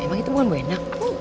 emang itu bukan buena